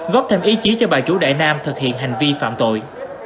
góp thêm ý chí cho bà chủ đại nam thực hiện hành vi phạm tội